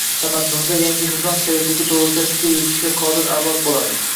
tamaddunga yangi nizom kerakligi to‘g‘risida fikr yuritishga qodir avlod bo‘ladi.